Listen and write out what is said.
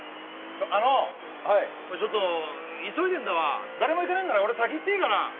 あのちょっと急いでんだわ誰も行かないなら俺先行っていいかな？